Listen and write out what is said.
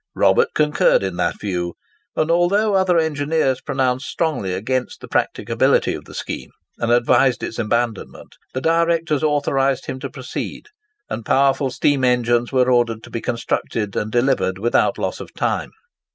Robert concurred in that view, and although other engineers pronounced strongly against the practicability of the scheme and advised its abandonment, the directors authorised him to proceed; and powerful steam engines were ordered to be constructed and delivered without loss of time.